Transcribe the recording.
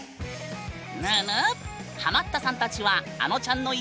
ぬぬ！